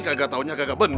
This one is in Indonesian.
gak tau nya gak bener